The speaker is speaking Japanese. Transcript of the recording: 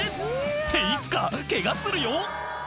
っていつかケガするよ